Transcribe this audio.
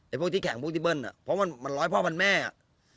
พวกที่แข่งพวกที่เบิ้ลอ่ะเพราะมันร้อยพ่อมันแม่อ่ะ